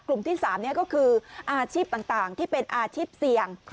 กลุ่มที่๓ก็คืออาชีพต่างที่เป็นอาชีพเสี่ยง